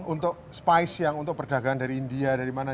untuk spice yang untuk perdagangan dari india dari mana